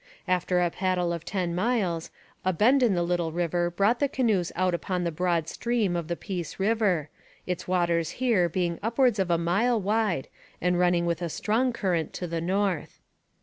After a paddle of ten miles, a bend in the little river brought the canoes out upon the broad stream of the Peace river, its waters here being upwards of a mile wide and running with a strong current to the north.